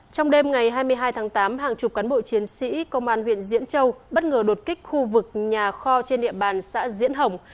trong đêm ngày hai mươi hai tháng tám hàng chục cán bộ chiến sĩ công an huyện diễn châu bất ngờ đột kích khu vực nhà kho trên địa bàn xã diễn hồng